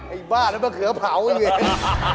ไอ้บ้านั้นมะเขือเผาอยู่ไหน